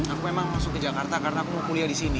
aku memang masuk ke jakarta karena aku kuliah di sini